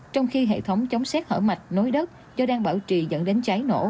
trong khi hệ thống chống xét hở mạch nối đất do đang bảo trì dẫn đến cháy nổ